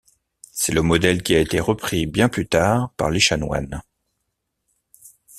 C'est le modèle qui a été repris bien plus tard par les chanoines.